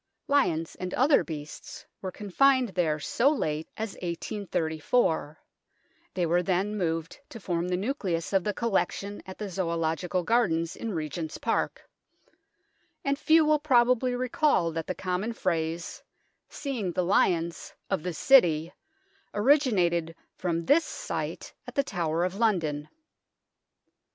Lions and other beasts were confined there so late as 1834 (they were then moved to form the nucleus of the collection at the Zoological Gardens in Regent's Park), and few will probably recall that the common phrase, " seeing the lions " of the City, originated from this sight at the Tower of London.